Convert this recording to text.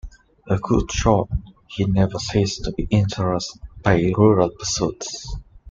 A good shot, he never ceased to be interested by rural pursuits.